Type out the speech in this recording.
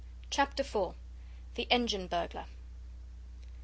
Chapter IV. The engine burglar.